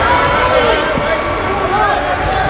สวัสดีครับทุกคน